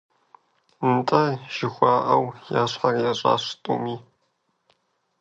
«НтӀэ», жыхуаӀэу, я щхьэр ящӀащ тӀуми.